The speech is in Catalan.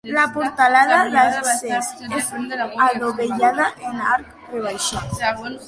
La portalada d'accés és adovellada, en arc rebaixat.